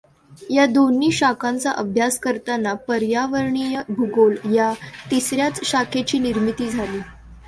या दोन्ही शाखांचा अभ्यास करतांना पर्यावरणीय भूगोल या तिसऱ्याच शाखेची निर्मिती झाली.